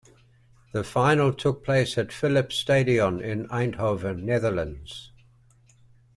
The final took place at Philips Stadion, in Eindhoven, Netherlands.